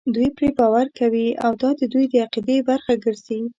دوی پرې باور کوي او دا د دوی د عقیدې برخه ګرځي.